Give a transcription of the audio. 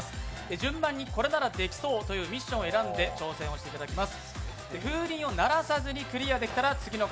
順番にこれならできそうというミッションを選んで挑戦をしていただきます。